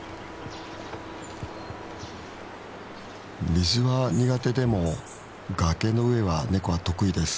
水は苦手でも崖の上はネコは得意です。